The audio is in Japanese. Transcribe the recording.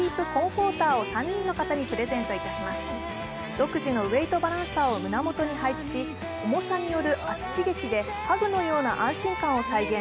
独自のウェイトバランサーを胸元に配置し重さによる圧刺激で、ハグのような安心感を再現。